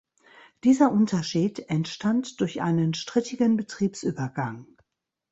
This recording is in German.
Dieser Unterschied entstand durch einen strittigen Betriebsübergang.